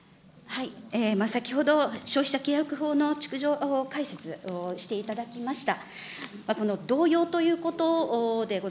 先ほど消費者契約法の逐条解説をしていただきました。